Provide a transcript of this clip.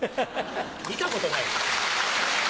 見たことない。